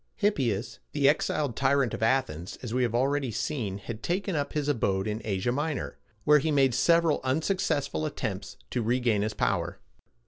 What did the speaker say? Hippias, the exiled tyrant of Athens, as we have already seen, had taken up his abode in Asia Minor, where he made several unsuccessful attempts to regain his power.